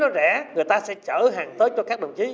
nếu nó rẻ người ta sẽ chở hàng tới cho các đồng chí